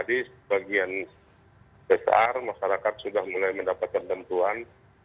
di bagian besar masyarakat sudah mulai mendapatkan tentuan